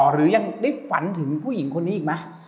หรือยังได้ฝันถึงผู้หญิงคนนี้อีกไหม